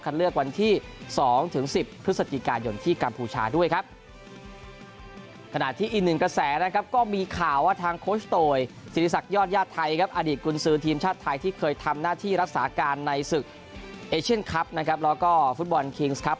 เหตุผลาการในศึกเอชเชียร์ครับนะครับแล้วก็ฟุตบอลคริงซ์ครับ